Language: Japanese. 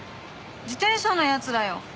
自転車の奴らよ。